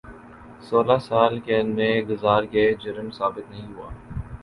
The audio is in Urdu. سولہ سال قید میں گزر گئے جرم ثابت نہیں ہوا